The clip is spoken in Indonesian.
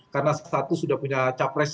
karena satu sudah punya capres